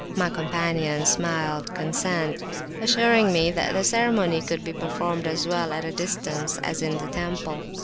My companions smiled consent, assuring me that the ceremony could be performed as well at a distance as in the temple.